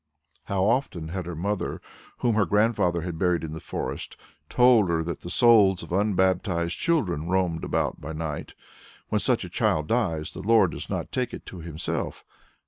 How often had her mother, whom her Grandfather had buried in the forest, told her that the souls of unbaptized children roamed about by night. When such a child dies, the Lord does not take it to Himself.